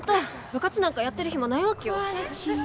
部活なんかやってる暇ないわけよ。